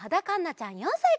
ちゃん４さいから。